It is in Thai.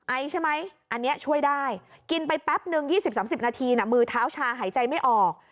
ไอใช่ไหมอันนี้ช่วยได้กินไปแป๊บนึง๒๐๓๐นาทีมือเท้าชาหายใจไม่ออก